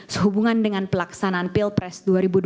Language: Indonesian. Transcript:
sehubungan dengan pelaksanaan pilpres dua ribu dua puluh